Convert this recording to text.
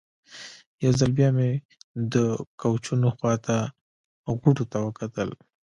یو ځل بیا مې د کوچونو خوا ته غوټو ته وکتل.